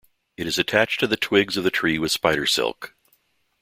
It is attached to the twigs of the tree with spider silk.